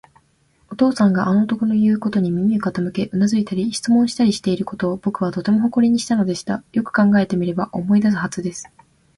お父さんがあの男のいうことに耳を傾け、うなずいたり、質問したりしていることを、ぼくはとても誇りにしたのでした。よく考えてみれば、思い出すはずです。